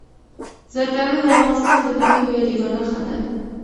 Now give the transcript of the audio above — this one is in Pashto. زردالو د افغانستان د ملي هویت یوه نښه ده.